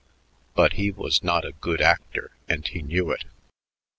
But he was not a good actor, and he knew it.